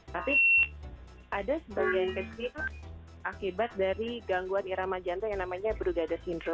tapi ada sebagian kecil akibat dari gangguan irama jantung yang namanya brugada syndro